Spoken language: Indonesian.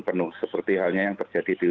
penuh seperti halnya yang terjadi di